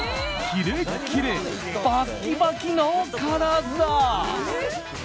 キレッキレバッキバキの体！